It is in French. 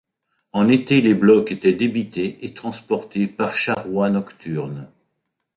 En été, les blocs étaient débités et transportés par charroi nocturne.